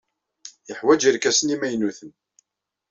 Yeḥwaj irkasen imaynuten.